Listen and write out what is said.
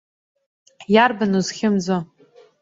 Иарбан узхьымӡо.